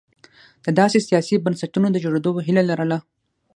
د داسې سیاسي بنسټونو د جوړېدو هیله لرله.